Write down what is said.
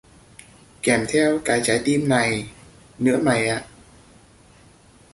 kèm theo cái trái tim nữa mày ạ